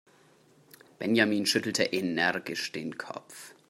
Benjamin schüttelte energisch den Kopf.